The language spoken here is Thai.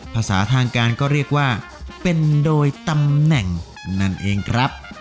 ภาษาทางการก็เรียกว่าเป็นโดยตำแหน่งนั่นเองครับ